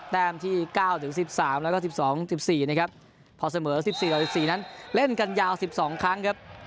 แต้มที่๙๑๓แล้วก็๑๒๑๔นะครับพอเสมอ๑๔ต่อ๑๔นั้นเล่นกันยาว๑๒ครั้งครับ